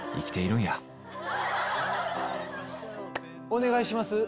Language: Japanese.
お願いします。